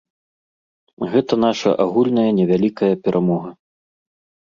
Гэта наша агульная невялікая перамога.